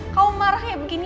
kau marahnya begini